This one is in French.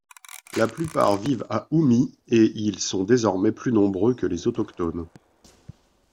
La plupart vivent à Oumi, et ils sont désormais plus nombreux que les autochtones.